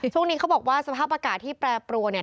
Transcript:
ช่วงนี้เขาบอกว่าสภาพอากาศที่แปรปรวนเนี่ย